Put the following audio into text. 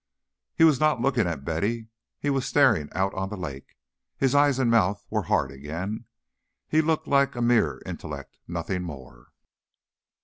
He was not looking at Betty; he was staring out on the lake. His eyes and mouth were hard again; he looked like a mere intellect, nothing more.